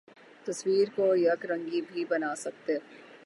تصویر کو یک رنگی بھی بنا سکتے